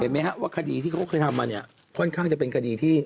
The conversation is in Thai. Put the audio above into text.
ไหมฮะว่าคดีที่เขาเคยทำมาเนี่ยค่อนข้างจะเป็นคดีที่